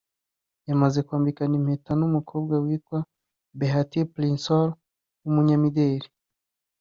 yamaze kwambikana impeta n’umukobwa witwa Behati Prinsloo w’umunyamideli